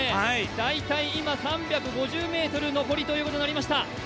大体、今３５０ｍ残りということになりました。